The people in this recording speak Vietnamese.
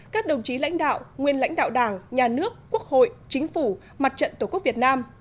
các đồng chí lãnh đạo nguyên lãnh đạo đảng nhà nước quốc hội chính phủ mặt trận tổ quốc việt nam